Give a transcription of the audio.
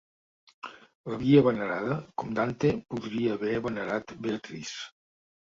L'havia venerada, com Dante podria haver venerat Beatrice.